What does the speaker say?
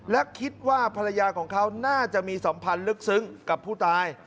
และคิดว่าภรรยาของเขาน่าจะมีสัมพันธ์ลึกซึ้งกับผู้ตาย